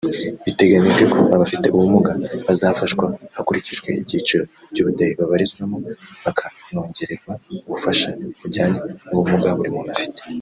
Biteganijwe ko abafite ubumuga bazafashwa hakurikijwe ibyiciro by’ubudehe babarizwamo bakanongererweho ubufasha bujyanye n’ubumuga buri muntu afite